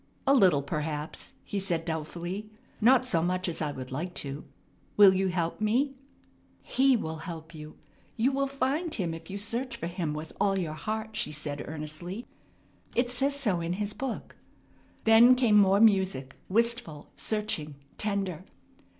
"A little, perhaps," he said doubtfully. "Not so much as I would like to. Will you help me?" "He will help you. You will find Him if you search for Him with all your heart," she said earnestly. "It says so in His book." Then came more music, wistful, searching, tender.